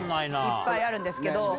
いっぱいあるんですけど。